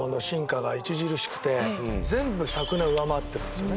全部昨年を上回ってるんですよね。